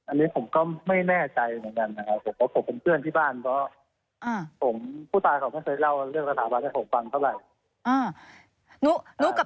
อันนี้ผมก็ไม่แน่ใจเหมือนกันนะครับ